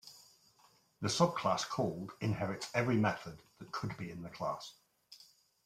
The subclass called inherits every method that could be in the class.